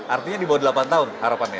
artinya di bawah delapan tahun harapannya